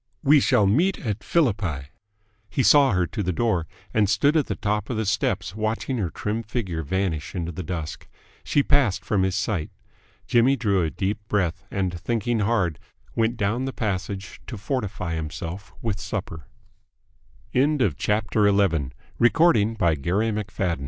"We shall meet at Philippi." He saw her to the door, and stood at the top of the steps watching her trim figure vanish into the dusk. She passed from his sight. Jimmy drew a deep breath, and, thinking hard, went down the passage to fortify himself with supper. CHAPTER XII JIMMY CATCHES THE BOSS'S EYE When Jimmy